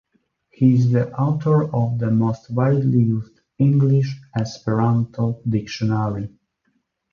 He is the author of the most widely used English-Esperanto dictionary.